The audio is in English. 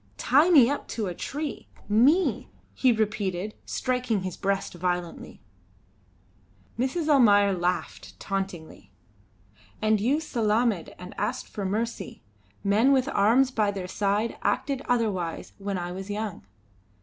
Tie me up to a tree! Me!" he repeated, striking his breast violently. Mrs. Almayer laughed tauntingly. "And you salaamed and asked for mercy. Men with arms by their side acted otherwise when I was young."